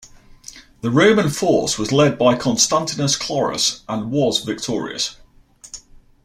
The Roman force was led by Constantius Chlorus, and was victorious.